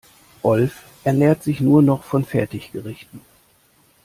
Rolf ernährt sich nur noch von Fertiggerichten.